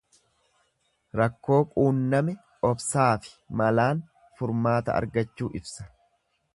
Rakkoo quunname obsaafi malaan furmaata argachuu ibsa.